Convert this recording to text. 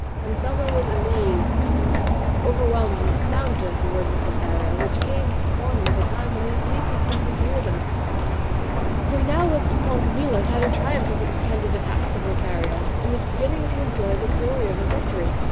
Anselmo was amazed, overwhelmed, and astounded at the words of Lothario, which came upon him at a time when he least expected to hear them, for he now looked upon Camilla as having triumphed over the pretended attacks of Lothario, and was beginning to enjoy the glory of her victory.